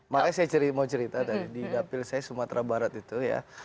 makanya saya mau cerita tadi di dapil saya sumatera barat itu ya